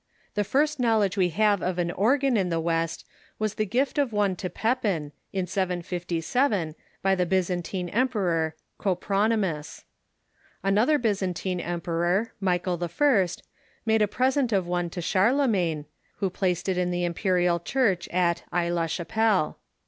The first knowledge we have of an organ in the West was the gift of one to Pepin, in 757, by the Byzantine emperor, Copronj'mus. Another Byzantine emperor, Michael I., made a pi'esent of one to Charlemagne, who placed it in the imperial church at Aix la Chapelle.